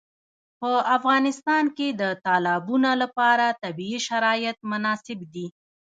په افغانستان کې د تالابونه لپاره طبیعي شرایط مناسب دي.